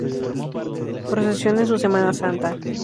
Procesiona en su Semana Santa.